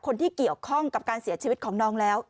คนที่เกี่ยวข้องกับการเสียชีวิตของน้องแล้ว